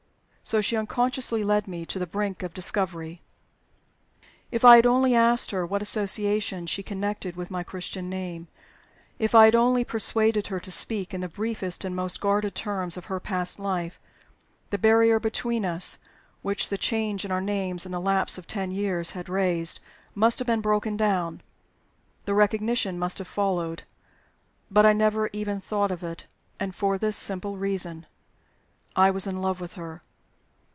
'" So she unconsciously led me to the brink of discovery! If I had only asked her what associations she connected with my Christian name if I had only persuaded her to speak in the briefest and most guarded terms of her past life the barrier between us, which the change in our names and the lapse of ten years had raised, must have been broken down; the recognition must have followed. But I never even thought of it; and for this simple reason I was in love with her.